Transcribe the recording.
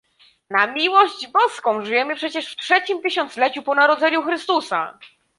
Na miłość boską, żyjemy przecież w trzecim tysiącleciu po narodzeniu Chrystusa!